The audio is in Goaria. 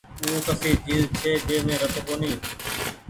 او ڪسي چئيز ڇي جي مين رت ڪونيٚ ۔